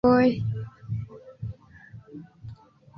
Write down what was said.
Fininte la studadon ŝi decidiĝis dediĉi sin al la filmado profesie.